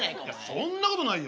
そんなことないよ。